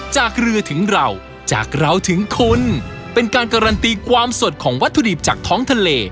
จากเรือถึงเราจากเราถึงคุณเป็นการการันตีความสดของวัตถุดิบจากท้องทะเล